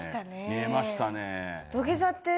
見えましたね。